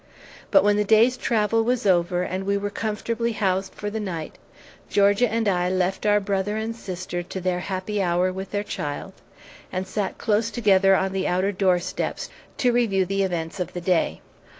But when the day's travel was over, and we were comfortably housed for the night, Georgia and I left our brother and sister to their happy hour with their child, and sat close together on the outer doorsteps to review the events of the day.